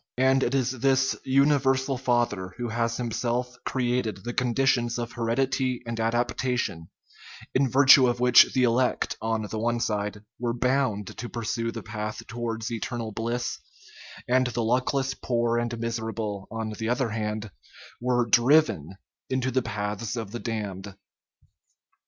And it is this " Universal Father " who has himself created the conditions of heredity and adaptation, in virtue of which the elect, on the one side, were bound to pursue the path towards eternal bliss, and the luckless poor and miserable, on the other hand, were driven into the paths of the damned?